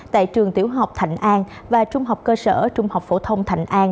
tại trường tiểu học thạnh an và trung học cơ sở trung học phổ thông thành an